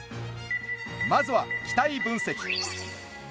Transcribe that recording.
まずは気体分析。